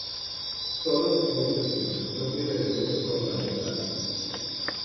Todo muy sencillo, no tiene elementos ornamentales.